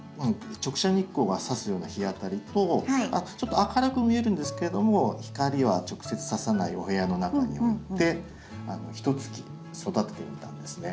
直射日光がさすような日当たりとちょっと明るく見えるんですけれども光は直接ささないお部屋の中に置いてひとつき育ててみたんですね。